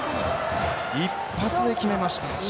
一発で決めました。